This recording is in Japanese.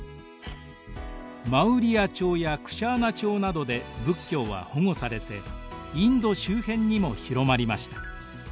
マウリヤ朝やクシャーナ朝などで仏教は保護されてインド周辺にも広まりました。